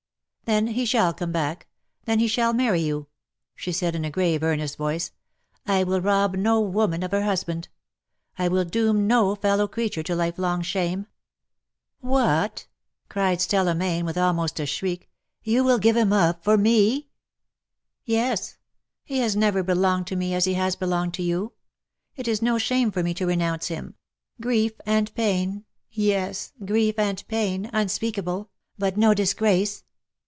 '^Then he shall come back — then he shall marry you/' she said in a grave earnest voice. " I will rob no woman of her husband. I will doom no fellow creature to lifelong shame !" ''What," cried Stella Mayne, with almost a shriek, '^ you will give him up — for me !" 294 " Yes. He has never belonged to me as lie has belonged to you — it is no shame for me to renounce him — grief and pain — yes_, grief and pain unspeak able — but no disgrace.